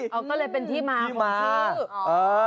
อ๋อก็เลยเป็นที่มาของที่อ๋อที่มาเออ